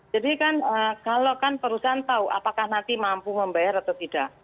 jadi kan kalau kan perusahaan tahu apakah nanti mampu membayar atau tidak